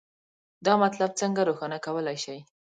دا مطلب څنګه روښانه کولی شئ؟